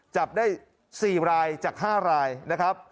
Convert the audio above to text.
จับได้๔รายจาก๕รายนะครับ